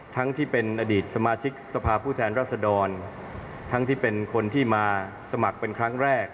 ที่เป็นอดีตสมาชิกสภาพผู้แทนรัศดรทั้งที่เป็นคนที่มาสมัครเป็นครั้งแรก